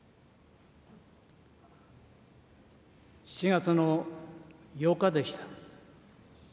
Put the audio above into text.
７月の８日でした。